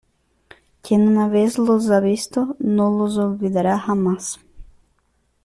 quien una vez los ha visto, no los olvidará jamás.